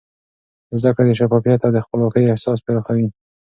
زده کړه د شفافیت او د خپلواکۍ احساس پراخوي.